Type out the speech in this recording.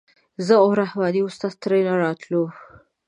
زه او رحماني استاد ترېنه راووتلو.